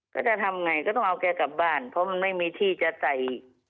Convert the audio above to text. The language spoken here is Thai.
ก็จะทำไงก็ต้องเอาแกกลับบ้านเพราะมันไม่มีที่จะใส่